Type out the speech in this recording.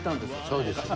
そうですよ。